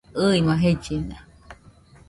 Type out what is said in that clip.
ɨɨma jellina